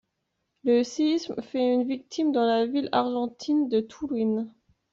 Le séisme fait une victime dans la ville argentine de Tolhuin.